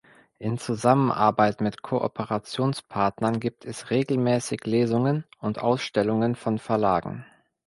In Zusammenarbeit mit Kooperationspartnern gibt es regelmäßig Lesungen und Ausstellungen von Verlagen.